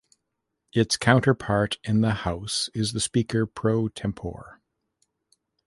Its counterpart in the House is the Speaker pro tempore.